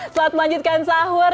selamat melanjutkan sahur